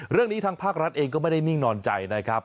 เรื่องนี้ทางภาครัฐเองก็ไม่ได้นิ่งนอนใจนะครับ